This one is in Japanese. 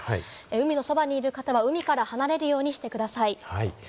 海のそばにいる方は海から離れるようにしてください。